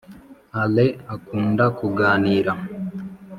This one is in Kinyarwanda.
Allain akunda kuganira